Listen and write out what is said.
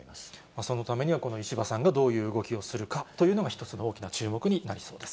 そのためにはこの石破さんがどういう動きをするかというのが、一つの大きな注目になりそうです。